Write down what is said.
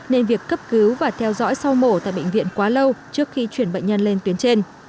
nên việc cấp cứu và theo dõi sau mổ tại bệnh viện quá lâu trước khi chuyển bệnh nhân lên tuyến trên